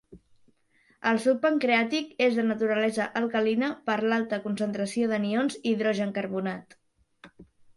El suc pancreàtic és de naturalesa alcalina per l'alta concentració d'anions hidrogencarbonat.